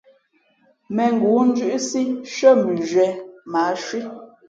Mēngoó ndʉ́ʼsí nshʉ́ά mʉnzhwīē mα ǎ cwí.